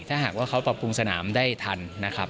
ถ้าหากว่าเขาปรับปรุงสนามได้ทันนะครับ